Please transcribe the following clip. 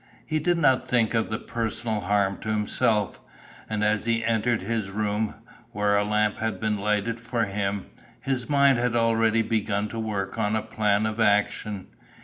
He did not think of personal harm to himself, and as he entered his room, where a lamp had been lighted for him, his mind had already begun to work on a plan of action.